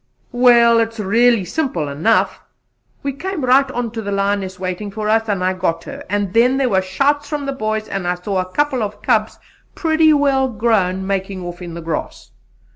"Well, it's really simple enough. We came right on to the lioness waiting for us, and I got her; and then there were shouts from the boys, and I saw a couple of cubs, pretty well grown, making off in the grass.